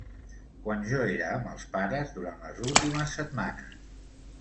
Quan jo era amb els pares durant les últimes setmanes.